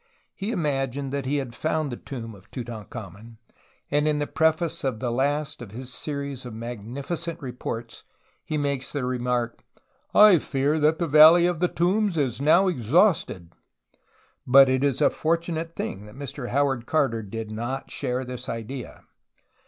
He imagined that he had found the tomb of Tutankhamen, and in the preface of the last of his series of magnificent reports he makes the reinark :" I fear that the Valley of the Tombs is now exhausted." But it is a fortunate thing that JNIr Howard Carter did not share this idea.